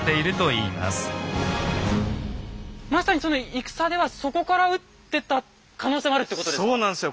まさに戦ではそこから撃ってた可能性もあるということですか？